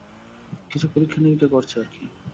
কিছু পরীক্ষা-নিরীক্ষা করছে আরকি।